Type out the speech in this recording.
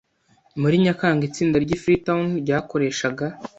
Muri Nyakanga itsinda ry i Freetown ryakoreshaga